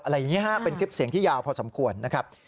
อะไรอย่างนี้ฮะเป็นคลิปเสียงที่ยาวพอสมควรนะครับ